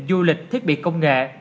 du lịch thiết bị công nghệ